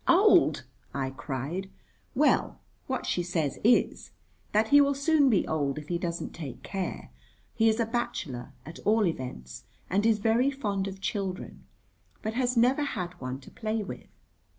"Old?" I cried. "Well, what she says is that he will soon be old if he doesn't take care. He is a bachelor at all events, and is very fond of children, but has never had one to play with."